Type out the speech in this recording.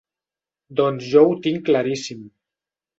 Doncs jo ho tinc claríssim.